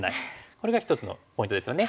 これが一つのポイントですよね。